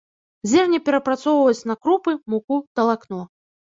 Зерне перапрацоўваюць на крупы, муку, талакно.